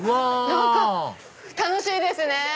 何か楽しいですね！